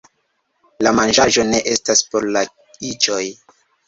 La manĝaĵo ne estas por la iĉoj